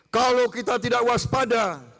kalau kita tidak waspada